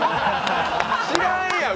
知らんやん！